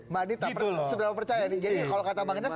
jadi kalau kata bang ines